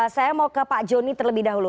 saya mau ke pak joni terlebih dahulu